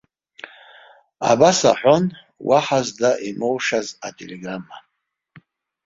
Абас аҳәон, уаҳа зда имоушаз ателеграмма.